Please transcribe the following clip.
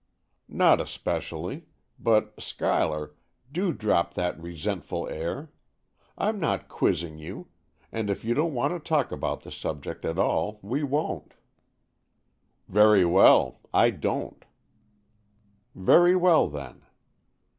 "Not especially, but, Schuyler, do drop that resentful air. I'm not quizzing you, and if you don't want to talk about the subject at all, we won't." "Very well,—I don't." "Very well, then."